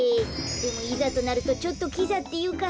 でもいざとなるとちょっとキザっていうか